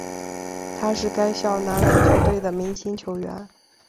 他是该校男篮校队的明星球员。